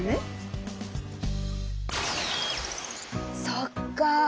そっか。